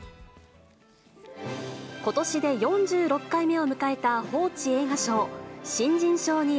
ことしで４６回目を迎えた報知映画賞。